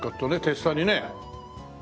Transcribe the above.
てっさにね。